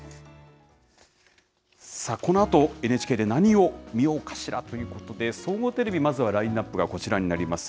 さあ、このあとＮＨＫで何を見ようかしらということで、総合テレビ、まずはラインナップがこちらになります。